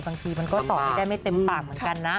บางทีมันก็ตอบไม่ได้ไม่เต็มปากเหมือนกันนะ